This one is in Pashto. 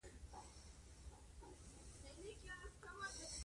زلمي یی شیرخان پیغلۍ په شان د ملالۍ